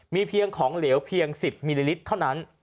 มีเพียงของเหลวเพียง๑๐มิลลิลิตรเท่านั้น